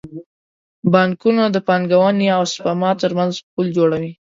بانکونه د پانګونې او سپما ترمنځ پل جوړوي.